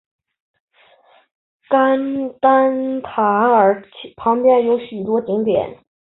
甘丹塔钦旁边有许多景点。